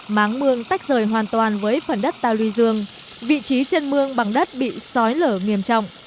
máng mương tách rời hoàn toàn với phần đất ta luy dương vị trí chân mương bằng đất bị sói lở nghiêm trọng